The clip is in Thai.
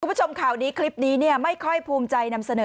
คุณผู้ชมข่าวนี้คลิปนี้ไม่ค่อยภูมิใจนำเสนอ